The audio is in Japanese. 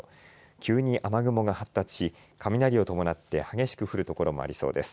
急に雨雲が発達し雷を伴って激しく降る所もありそうです。